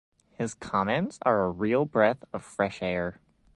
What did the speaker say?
His comments are a real breath of fresh air.